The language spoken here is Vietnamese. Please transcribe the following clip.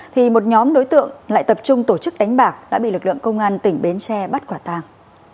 thì một nhóm đối tượng lại tập trung tổ chức đánh bạc đã bị lực lượng công an tỉnh bến tre bắt quả tàng